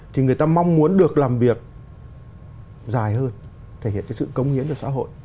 thì người ta mong muốn được làm việc dài hơn thể hiện cái sự cống hiến cho xã hội